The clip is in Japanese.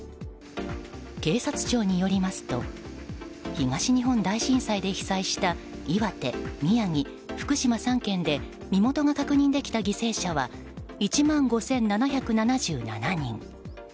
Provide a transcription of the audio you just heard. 警察庁によりますと東日本大震災で被災した岩手、宮城、福島３県で身元が確認できた犠牲者は１万５７７７人。